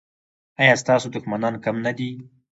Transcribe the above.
ایا ستاسو دښمنان کم نه دي؟